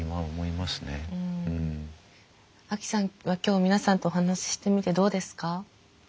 アキさんは今日皆さんとお話ししてみてどうですか？